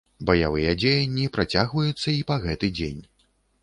Баявыя дзеянні працягваюцца і па гэты дзень.